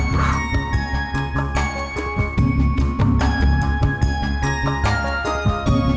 sampai jumpa lagi